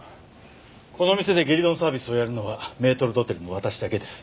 この店でゲリドンサービスをやるのはメートル・ドテルの私だけです。